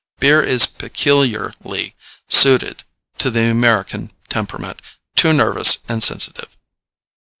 Beer is peculiarly suited to the American temperament, too nervous and sensitive.